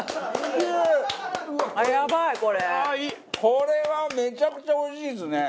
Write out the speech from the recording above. これはめちゃくちゃおいしいですね。